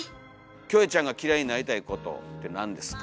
キョエちゃんが嫌いになりたいことって何ですか？